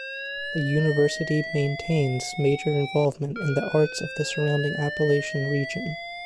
The university maintains major involvement in the arts of the surrounding Appalachian region.